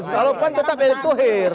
kalau pan tetap erick thohir